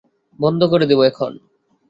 বন্ধ করে দেব এখন।